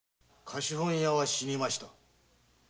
貸本屋は死にました。